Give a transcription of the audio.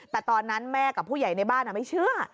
แต่ตอนนั้นแม่กับผู้ใหญ่ในบ้านไม่เชื่อ